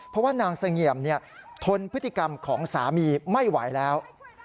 เพราะว่านางเสงี่ยมทนพฤติกรรมของสามีไม่ไหวแล้ว